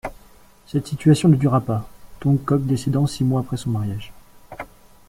Cette situation ne dura pas, Tổng Cóc décédant six mois après son mariage.